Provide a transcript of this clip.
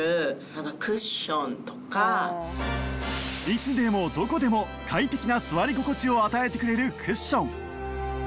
いつでもどこでも快適な座り心地を与えてくれるクッション